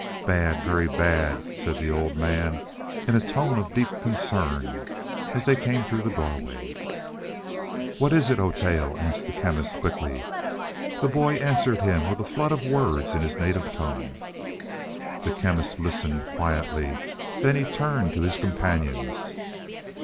"Bad; very bad," said the old man, in a tone of deep concern, as they came through the doorway. "What is it, Oteo?" asked the Chemist quickly. The boy answered him with a flood of words in his native tongue. The Chemist listened quietly. Then he turned to his companions.